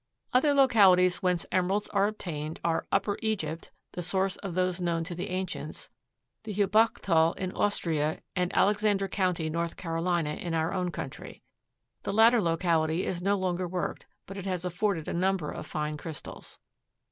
Other localities whence emeralds are obtained are Upper Egypt (the source of those known to the ancients), the Heubachthal in Austria, and Alexander county, North Carolina, in our own country. The latter locality is no longer worked, but it has afforded a number of fine crystals.